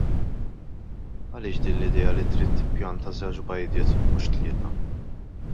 Għaliex din l-idea li trid tippjanta żewġ bajdiet u mhux tlieta?